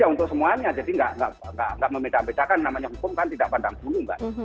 ya untuk semuanya jadi tidak membedakan bedakan namanya hukum kan tidak pandang dulu